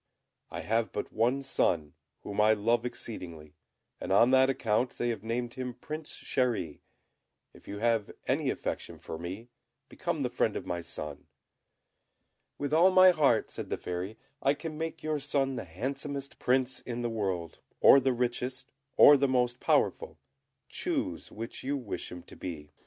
I have but one son, whom I love exceedingly, and on that account they have named him Prince Chéri; if you have any affection for me, become the friend of my son." "With all my heart," said the Fairy; "I can make your son the handsomest Prince in the world, or the richest, or the most powerful; choose which you wish him to be."